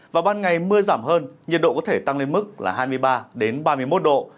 và ban ngày mưa giảm hơn nhiệt độ có thể tăng lên mức là hai mươi ba ba mươi một độ